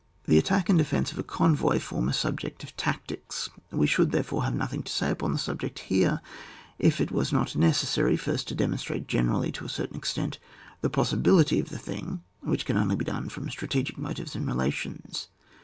The attack and defence of a convoy form a subject of tactics : we should, therefore, have nothing to say upon the subject here if it was not necessary, first, to de monstrate generally, to a certain extent, the possibility of the thing, which can only be done from strategic motives and relations.